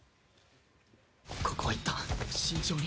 ここはいったん、慎重に。